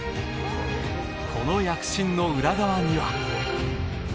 この躍進の裏側には。